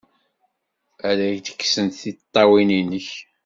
Ad ak-d-kksent tiṭṭawin-nnek!